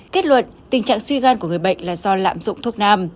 kết luận tình trạng suy gan của người bệnh là do lạm dụng thuốc nam